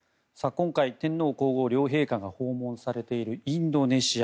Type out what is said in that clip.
今回天皇・皇后両陛下が訪問されているインドネシア。